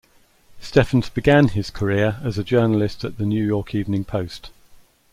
Steffens began his career as a journalist at the "New York Evening Post".